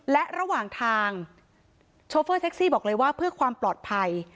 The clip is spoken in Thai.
และระหว่างทางโชเฟอร์แท็กซี่บอกเลยว่าเพื่อความปลอดภัย